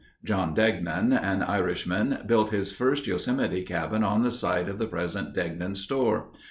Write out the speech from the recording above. John Degnan, an Irishman, built his first Yosemite cabin on the site of the present Degnan store.